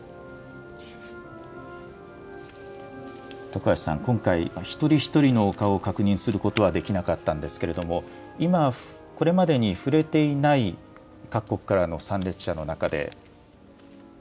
徳橋さん、今回、一人一人のお顔を確認することはできなかったんですけれども、今、これまでに触れていない各国からの参列者の中で。